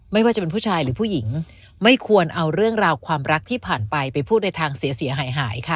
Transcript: ไม่ว่าจะเป็นผู้ชายหรือผู้หญิงไม่ควรเอาเรื่องราวความรักที่ผ่านไปไปพูดในทางเสียหายหายค่ะ